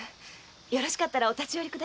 よろしかったらお立ち寄りを。